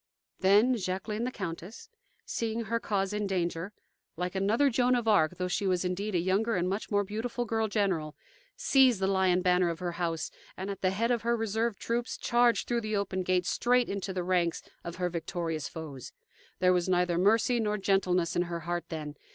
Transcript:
Then Jacqueline the Countess, seeing her cause in danger like another Joan of Arc, though she was indeed a younger and much more beautiful girl general, seized the lion banner of her house, and, at the head of her reserve troops, charged through the open gate straight into the ranks of her victorious foes. There was neither mercy nor gentleness in her heart then.